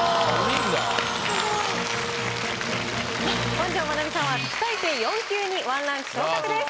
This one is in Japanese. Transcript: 本上まなみさんは特待生４級に１ランク昇格です。